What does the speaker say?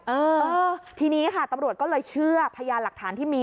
เออทีนี้ค่ะตำรวจก็เลยเชื่อพยานหลักฐานที่มี